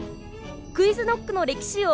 ＱｕｉｚＫｎｏｃｋの「歴史王」